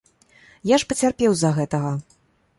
Я ж пацярпеў з-за гэтага!